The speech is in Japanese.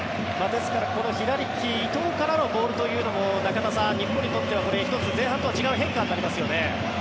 ですからこの左利きの伊藤からのボールというのも中田さん、日本にとっては１つ前半とは違う変化になりますよね。